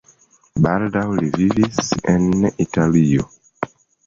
Baldaŭ li vivis en Italio.